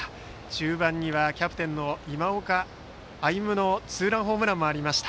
中盤にはキャプテンの今岡歩夢のツーランホームランもありました。